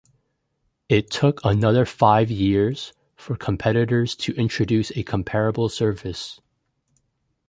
It took another five years for competitors to introduce a comparable service.